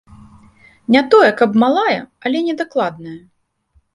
Не тое, каб малая, але не дакладная.